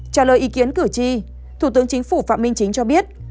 trả lời ý kiến cử tri thủ tướng chính phủ phạm minh chính cho biết